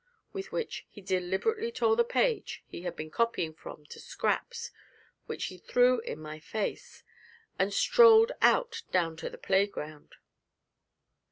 With which he deliberately tore the page he had been copying from to scraps, which he threw in my face, and strolled out down to the playground.